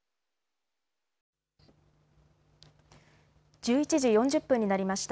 １１時４０分になりました。